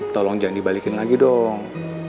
tolong jangan dibalikin lagi dong